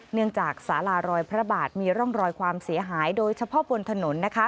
เนื่องจากสารารอยพระบาทมีร่องรอยความเสียหายโดยเฉพาะบนถนน